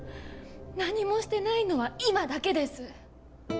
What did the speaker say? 何もしてないのは今だけです。